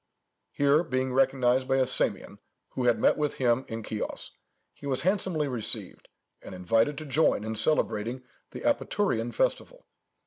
Here being recognized by a Samian, who had met with him in Chios, he was handsomely received, and invited to join in celebrating the Apaturian festival.